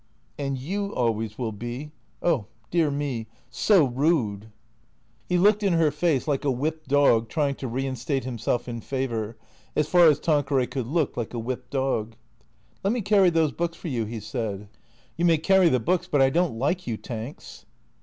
" And you always will be — oh dear me — so rude." He looked in her face like a whipped dog trying to reinstate himself in favour, as far as Tanqueray could look like a whipped dog. " Let me carry those books for you," he said. " You may carry the books, but I don't like you. Tanks."